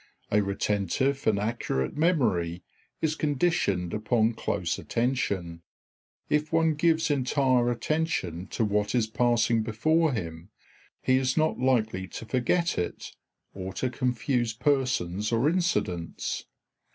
A retentive and accurate memory is conditioned upon close attention. If one gives entire attention to what is passing before him, he is not likely to forget it or to confuse persons or incidents.